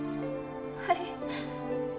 はい。